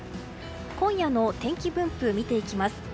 今夜の天気分布を見ていきます。